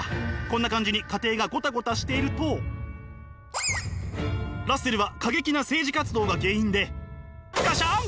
こんな感じに家庭がゴタゴタしてるとラッセルは過激な政治活動が原因でガシャン！